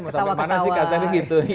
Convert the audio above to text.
mau sampai mana sih kasar gitu